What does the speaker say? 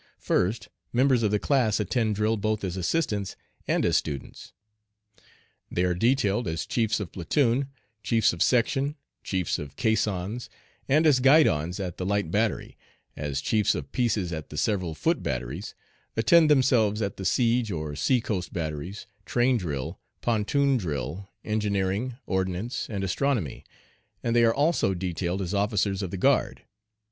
First, members of the class attend drill both as assistants and as students. They are detailed as chiefs of platoon, chiefs of section, chiefs of caissons, and as guidons at the light battery; as chiefs of pieces at the several foot batteries; attend themselves at the siege or sea coast batteries, train drill, pontoon drill, engineering, ordnance, and astronomy, and they are also detailed as officers of the guard.